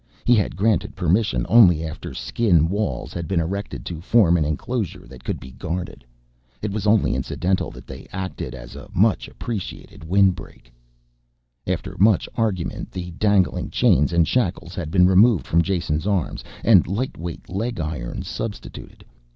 He had granted permission only after skin walls had been erected to form an enclosure that could be guarded; it was only incidental that they acted as a much appreciated windbreak. And after much argument the dangling chains and shackles had been removed from Jason's arms and light weight leg irons substituted.